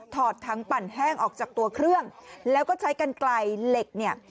ทั้งปั่นแห้งออกจากตัวเครื่องแล้วก็ใช้กันไกลเหล็กเนี่ย